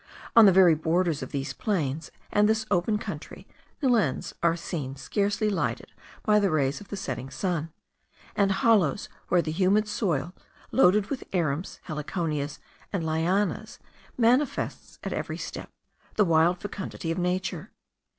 On the very borders of these plains and this open country, glens are seen scarcely lighted by the rays of the setting sun, and hollows where the humid soil, loaded with arums, heliconias, and lianas, manifests at every step the wild fecundity of nature.